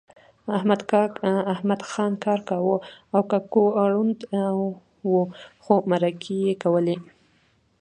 احمدخان کار کاوه او ککو ړوند و خو مرکې یې کولې